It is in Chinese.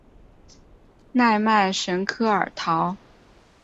奈迈什科尔陶。